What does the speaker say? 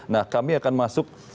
nah kami akan masuk